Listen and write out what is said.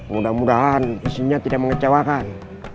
mudah mudahan isinya tidak mengecewakan